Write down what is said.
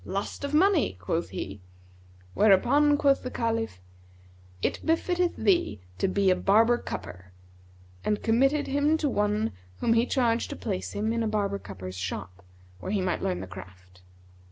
'Lust of money,' quoth he; whereupon quoth the Caliph, 'It befitteth thee to be a barber cupper,'[FN#164] and committed him to one whom he charged to place him in a barber cupper's shop, where he might learn the craft.